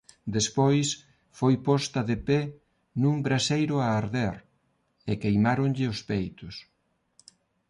Despois foi posta de pé nun braseiro a arder e queimáronlle os peitos.